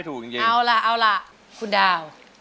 สู้ค่ะ